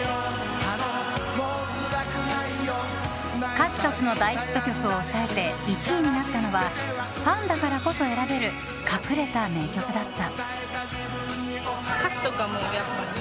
数々の大ヒット曲を抑えて１位になったのはファンだからこそ選べる隠れた名曲だった。